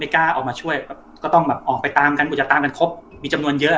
กล้าออกมาช่วยก็ต้องแบบออกไปตามกันกว่าจะตามกันครบมีจำนวนเยอะ